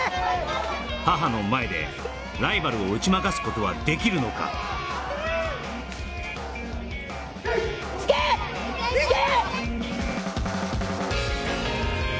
母の前でライバルを打ち負かすことはできるのかスケいけ！